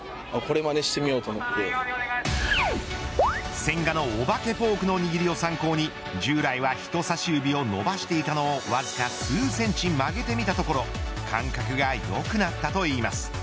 千賀のお化けフォークの握りを参考に従来は人さし指を伸ばしていたのをわずか数センチ曲げてみたところ感覚が良くなったといいます。